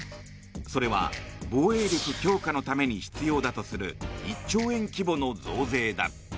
それは防衛力強化のために必要だとする１兆円規模の増税だ。